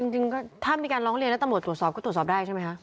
จริงถ้ามีการร้องเรียนแล้วตำรวจตรวจสอบก็ตรวจสอบได้ใช่ไหมคะ